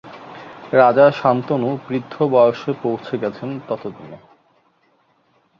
রাজা শান্তনু বৃদ্ধ বয়সে পৌছে গেছেন ততদিনে।